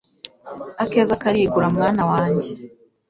akeza karigura mwana wanjye